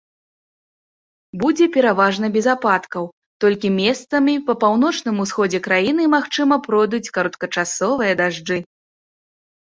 Будзе пераважна без ападкаў, толькі месцамі па паўночным усходзе краіны, магчыма, пройдуць кароткачасовыя дажджы.